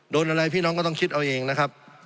โดนอะไรพี่น้องก็ต้องคิดเอาเองนะครับ